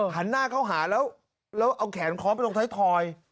หันหน้าเข้าหาแล้วเอาแขนคอมไปตรงจุดขอร์ล